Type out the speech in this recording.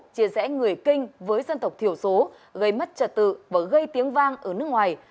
chia rẽ người kinh với dân tộc thiểu số gây mất trật tự và gây tiếng vang ở nước ngoài